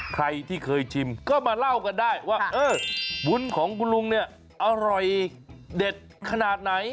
ใครที่เคยชิมก็มาเล่ากันได้ว่าเออวุ้นของคุณลุงเนี่ยอร่อยเด็ดขนาดไหน